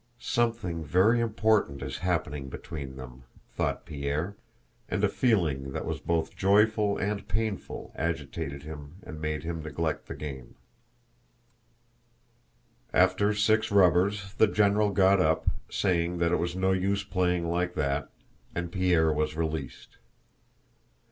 "Something very important is happening between them," thought Pierre, and a feeling that was both joyful and painful agitated him and made him neglect the game. After six rubbers the general got up, saying that it was no use playing like that, and Pierre was released.